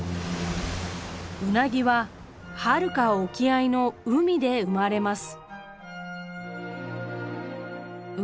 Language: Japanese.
ウナギははるか沖合の海で生まれます。